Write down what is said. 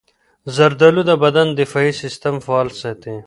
زردالو د بدن دفاعي سستم فعال ساتي.